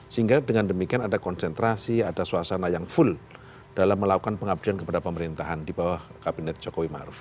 sehingga dengan demikian ada konsentrasi ada suasana yang full dalam melakukan pengabdian kepada pemerintahan di bawah kabinet jokowi maruf